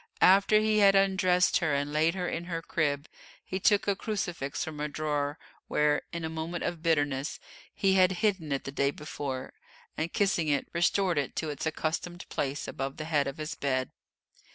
After he had undressed her and laid her in her crib, he took a crucifix from a drawer where, in a moment of bitterness, he had hidden it the day before, and, kissing it, restored it to its accustomed place above the head of his bed.